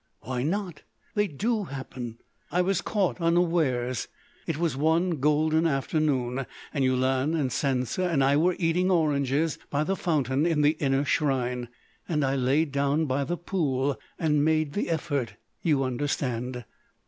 "Why not? They do happen. I was caught unawares.... It was one golden afternoon, and Yulan and Sansa and I were eating oranges by the fountain in the inner shrine. And I lay down by the pool and made the effort—you understand?"